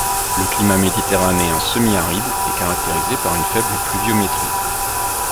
Le climat méditerranéen semi-aride est caractérisé par une faible pluviométrie.